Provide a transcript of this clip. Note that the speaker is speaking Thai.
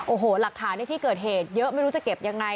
โอ้โหหลักฐานในที่เกิดเหตุเยอะไม่รู้จะเก็บยังไง